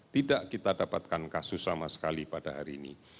tidak kita dapatkan kasus sama sekali pada hari ini